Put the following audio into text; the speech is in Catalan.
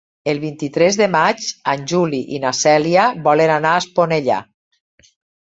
El vint-i-tres de maig en Juli i na Cèlia volen anar a Esponellà.